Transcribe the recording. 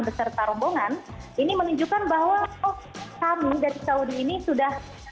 beserta rombongan ini menunjukkan bahwa oh kami dari saudi ini sudah